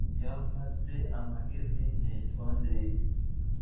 Yampadde amagezi neetonde.